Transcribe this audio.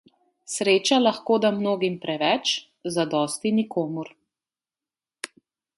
Sreča lahko da mnogim preveč, zadosti nikomur.